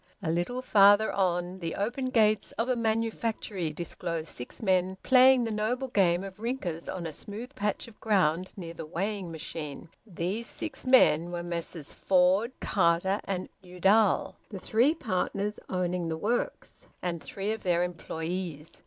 A little farther on the open gates of a manufactory disclosed six men playing the noble game of rinkers on a smooth patch of ground near the weighing machine. These six men were Messieurs Ford, Carter, and Udall, the three partners owning the works, and three of their employees.